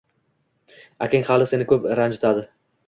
Akang hali seni ko‘p ranjitadi